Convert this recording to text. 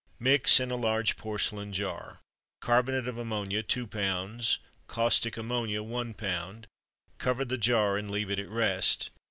Mix in a large porcelain jar— Carbonate of ammonia 2 lb. Caustic ammonia 1 lb. Cover the jar and leave it at rest.